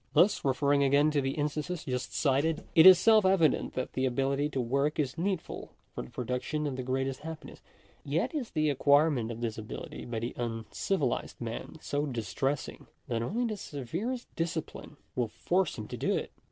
Thus, referring again to the instances just cited, it is self evident that the ability to work is needful for the production of the greatest happiness ; yet is the acquirement of this ability by the un civilized man so distressing, that only the severest discipline will force him to it.